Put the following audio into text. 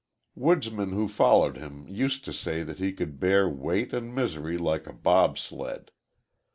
Woodsmen who followed him used to say that he could bear "weight an' misery like a bob sled."